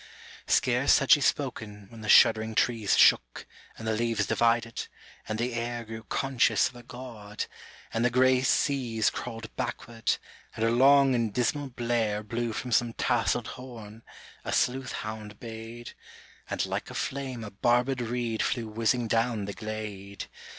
Scarce had she spoken when the shuddering trees Shook, and the leaves divided, and the air Grew conscious of a God, and the gray seasr* Crawled backward, and a long and dismal blare/ ~~ Blew from some tasseled horn, a sleuth hound bayed, And like a flame a barb&d reed flew whizzing down the glade.